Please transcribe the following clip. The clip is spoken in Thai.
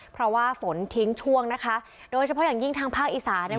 เพราะว่าฝนทิ้งช่วงนะคะโดยเฉพาะอย่างยิ่งทางภาคอีสานเนี่ย